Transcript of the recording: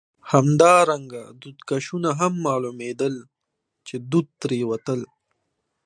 همدارنګه دودکشونه هم معلومېدل، چې دود ترې وتل.